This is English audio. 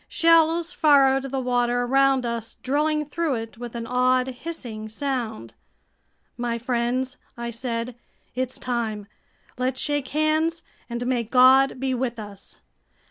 Shells furrowed the water around us, drilling through it with an odd hissing sound. "My friends," I said, "it's time. Let's shake hands, and may God be with us!"